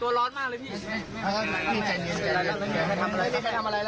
ตัวร้อนมากเลยพี่